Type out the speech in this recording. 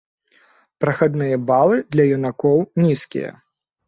Прахадныя балы для юнакоў нізкія.